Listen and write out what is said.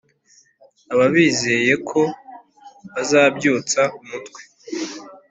baba bizeyeko bazabyutsa umutwe